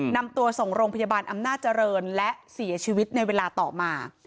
นำตัวส่งโรงพยาบาลอำนาจเจริญและเสียชีวิตในเวลาต่อมา